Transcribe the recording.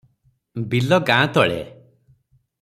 ବିଲ ଗାଁ ତଳେ ।